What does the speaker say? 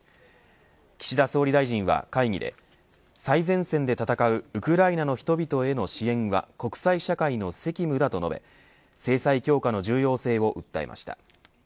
岸田総理大臣は会議で最前線で戦うウクライナの人々への支援は国際社会の責務だと述べ制裁強化の重要性を訴えました。